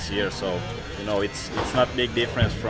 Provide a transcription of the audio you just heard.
jadi itu bukan perbedaan besar dari pertama ke ketiga